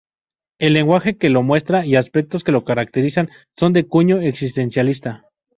El lenguaje que lo muestra y aspectos que lo caracterizan son de cuño existencialista.